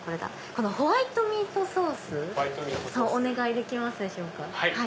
ホワイトミートソースをお願いできますでしょうか？